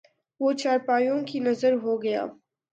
وہ چارپائیوں کی نذر ہو گیا